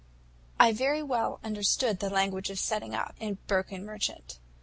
"I very well understood the language of setting up, and broken merchant.